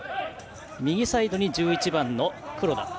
右サイド、１１番の黒田。